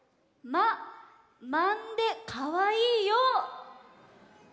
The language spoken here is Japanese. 「まんでかわいいよ」。